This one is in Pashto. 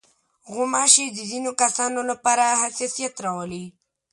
غوماشې د ځينو کسانو لپاره حساسیت راولي.